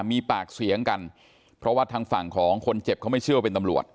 มีปากเสียงกันเพราะว่าทางฝั่งของคนเจ็บเขาไม่เชื่อว่าเป็นตำรวจ